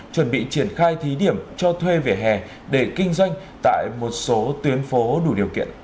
chuẩn bị triển khai thí điểm cho thuê vỉa hè để kinh doanh tại một số tuyến phố đủ điều kiện